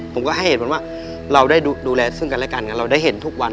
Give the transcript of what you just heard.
ผมก็ให้เหตุผลว่าเราได้ดูแลซึ่งกันและกันเราได้เห็นทุกวัน